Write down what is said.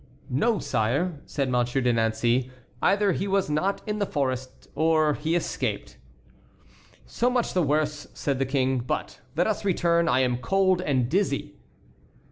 "No, sire," said Monsieur de Nancey; "either he was not in the forest or he escaped." "So much the worse," said the King; "but let us return. I am cold and dizzy."